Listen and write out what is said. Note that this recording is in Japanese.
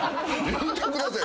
言うてください。